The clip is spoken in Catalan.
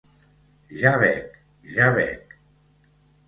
Ja vec, ja vec.